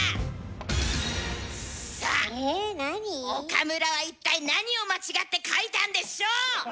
岡村は一体なにを間違って書いたんでしょう！